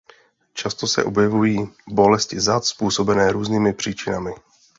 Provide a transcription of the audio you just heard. Často se objevují bolesti zad způsobené různými příčinami.